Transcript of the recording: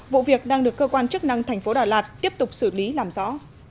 vụ việc đang được cơ quan chức năng thành phố đà lạt tiếp tục xử lý làm rõ